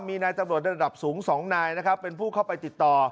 มีนายตำรวจระดับสูง๒นายนะครับเป็นผู้เข้าไปติดต่อ